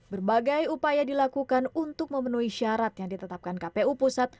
berbagai upaya dilakukan untuk memenuhi syarat yang ditetapkan kpu pusat